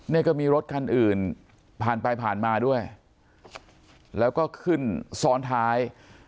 นี่ก็มีรถคันอื่นผ่านไปผ่านมาด้วยแล้วก็ขึ้นซ้อนท้าย